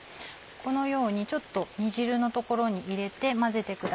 このようにちょっと煮汁の所に入れて混ぜてください。